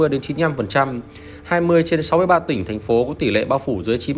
hai mươi trên sáu mươi ba tỉnh thành phố có tỷ lệ bao phủ dưới chín mươi